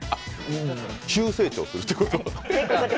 急成長するってこと？